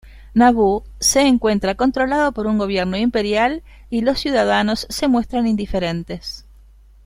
Naboo se encuentra controlado por un gobierno imperial y los ciudadanos se muestran indiferentes.